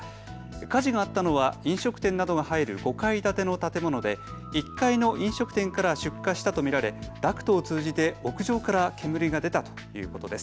火事があったのは飲食店などが入る５階建ての建物で１階の飲食店から出火したと見られ、ダクトを通じて屋上から煙が出たということです。